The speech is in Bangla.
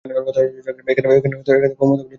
এখানকার ক্ষমতাগুলো অন্যরকম।